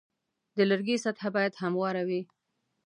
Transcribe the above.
د لرګي سطحه باید همواره وي.